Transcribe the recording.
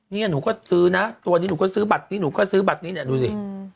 เนี่ยหนูก็ซื้อนะตัวนี้หนูก็ซื้อบัตรนี้หนูก็ซื้อบัตรนี้เนี่ยดูสิ